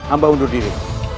amba undur diri